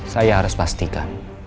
saya harus pastikan